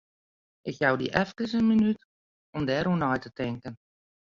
Ik jou dy efkes in minút om dêroer nei te tinken.